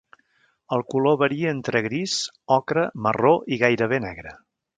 El color varia entre gris, ocre, marró i gairebé negre.